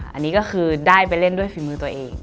อันนี้ก็คือได้ไปเล่นด้วยฝีมือตัวเอง